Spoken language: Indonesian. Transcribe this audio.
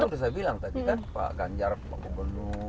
udah saya bilang tadi kan pak ganjar paku benu